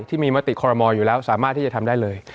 มติคอรมอลอยู่แล้วสามารถที่จะทำได้เลย